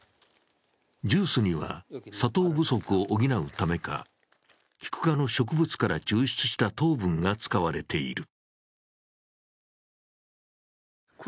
ジュースには砂糖不足を補うためか、キク科の植物から抽出した糖分が使われている。